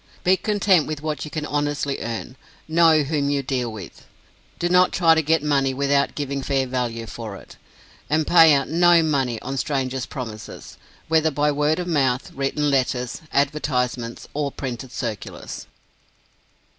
Be content with what you can honestly earn. Know whom you deal with. Do not try to get money without giving fair value for it. And pay out no money on strangers' promises, whether by word of mouth, written letters, advertisements, or printed circulars.